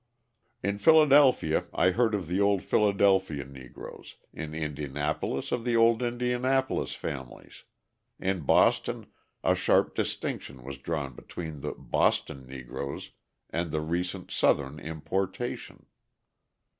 In Philadelphia I heard of the old Philadelphia Negroes, in Indianapolis of the old Indianapolis families, in Boston a sharp distinction was drawn between the "Boston Negroes" and the recent Southern importation.